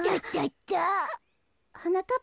はなかっ